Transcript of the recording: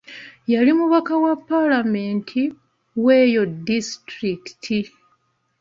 Yali mubaka wa paalamenti w'eyo disiitulikiti .